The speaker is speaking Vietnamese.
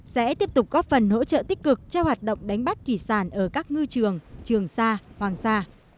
sẽ tiếp tục có phần hỗ trợ tích cực cho hoạt động đánh bắt thủy sản ở các ngư trường trường xa hoàng xa